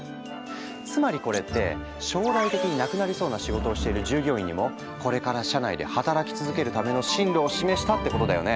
つまりこれって将来的になくなりそうな仕事をしてる従業員にもこれから社内で働き続けるための進路を示したってことだよね。